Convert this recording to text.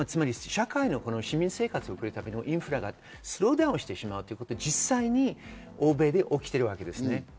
社会の市民生活を送るためのインフラがスローダウンしてしまうということが実際に欧米で起きています。